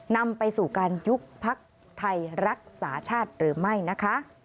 นำไปสู่การยุบพักไทยรักษาชาติหรือไม่นะคะ